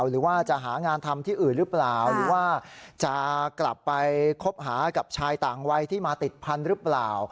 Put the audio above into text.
หรือว่าจะหางานทำที่อื่นหรือเปล่าหรือว่าจะกลับไปคบหากับชายต่างวัยที่มาติดพันธุ์หรือเปล่า